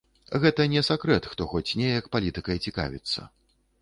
Гэта не сакрэт, хто хоць неяк палітыкай цікавіцца.